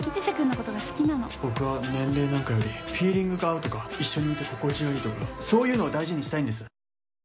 僕は年齢なんかよりフィーリングが合うとか一緒にいて心地よいとかそういうのを大事にしたいんです。